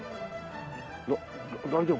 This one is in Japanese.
だ大丈夫？